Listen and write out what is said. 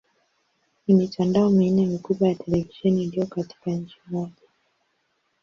Ni mitandao minne mikubwa ya televisheni iliyo katika nchi moja.